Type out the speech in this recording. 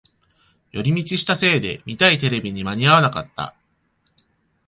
寄り道したせいで見たいテレビに間に合わなかった